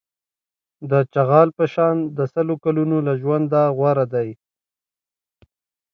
د چغال په شان د سل کلونو له ژونده غوره دی.